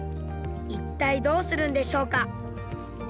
一体どうするんでしょうか？